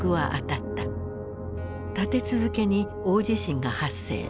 立て続けに大地震が発生。